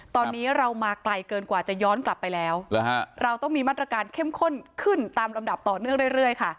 ตอนนี้เรามาไกลเกินกว่าจะย้อนกลับไปแล้วเราต้องมีมาตรการเข้มข้นขึ้นตามลำดับต่อเนื่องเรื่อยค่ะ